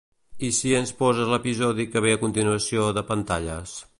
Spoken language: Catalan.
I si ens poses l'episodi que ve a continuació de "Pantalles"?